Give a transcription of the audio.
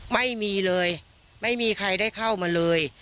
ไม่มีเลยไม่มีใครได้เข้ามาเลย